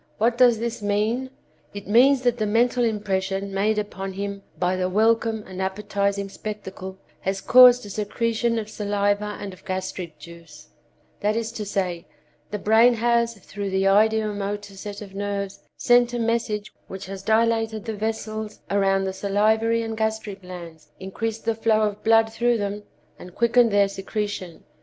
What does this mean? It means that the mental impression made upon him by the welcome and appetizing spectacle has caused a secretion of saliva and of gastric juice; that is to say, the brain has, through the ideo motor set of nerves, sent a message which has dilated the vessels around the salivary and gastric glands, increased the flow of blood through them and quickened their secretion.